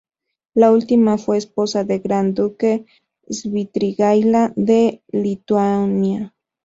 La última fue esposa del Gran Duque Švitrigaila de Lituania.